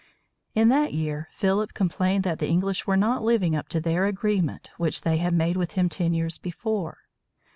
In that year Philip complained that the English were not living up to their agreement which they had made with him ten years before.